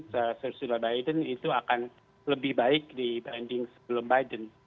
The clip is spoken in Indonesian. survei biden itu akan lebih baik dibanding sebelum biden